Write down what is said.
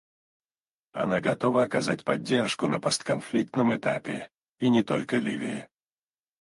Она готова оказать поддержку на постконфликтном этапе, и не только Ливии.